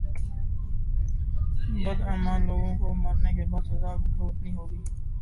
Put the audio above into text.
بداعمال لوگوں کو مرنے کے بعد سزا بھگتنی ہوگی